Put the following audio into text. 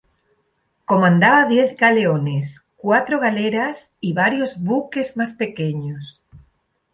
Comandaba diez galeones, cuatro galeras y varios buques más pequeños.